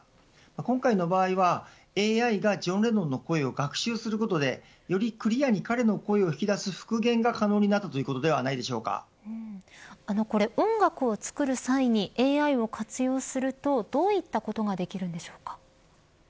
今回の場合は、ＡＩがジョン・レノンの声を学習することでよりクリアに彼の声を引き出す復元が可能になったこれ、音楽を作る際にＡＩを活用すると、どういったことができるんでしょうか。